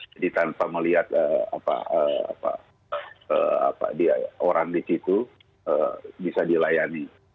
jadi tanpa melihat orang di situ bisa dilayani